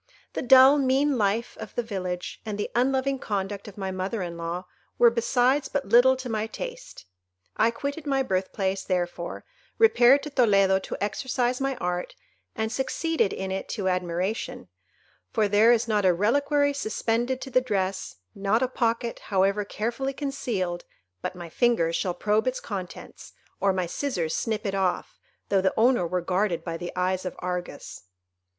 The dull, mean life of the village, and the unloving conduct of my mother in law, were besides but little to my taste. I quitted my birthplace, therefore, repaired to Toledo to exercise my art, and succeeded in it to admiration; for there is not a reliquary suspended to the dress, not a pocket, however carefully concealed, but my fingers shall probe its contents, or my scissors snip it off, though the owner were guarded by the eyes of Argus.